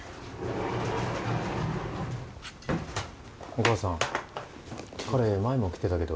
お母さん彼前も来てたけど。